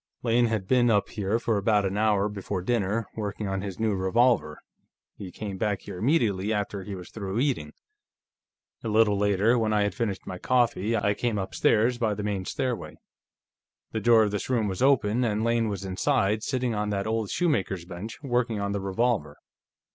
"Lane had been up here for about an hour before dinner, working on his new revolver; he came back here immediately after he was through eating. A little later, when I had finished my coffee, I came upstairs, by the main stairway. The door of this room was open, and Lane was inside, sitting on that old shoemaker's bench, working on the revolver.